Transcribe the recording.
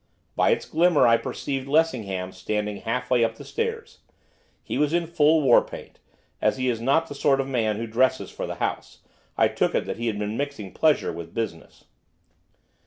By its glimmer I perceived Lessingham standing half way up the stairs. He was in full war paint, as he is not the sort of man who dresses for the House, I took it that he had been mixing pleasure with business.